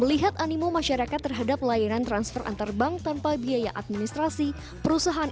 melihat animo masyarakat terhadap layanan transfer antar bank tanpa biaya administrasi perusahaan